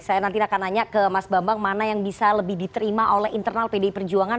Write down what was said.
saya nanti akan nanya ke mas bambang mana yang bisa lebih diterima oleh internal pdi perjuangan